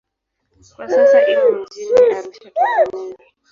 Kwa sasa imo mjini Arusha, Tanzania.